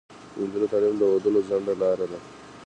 د نجونو تعلیم د ودونو ځنډ لاره ده.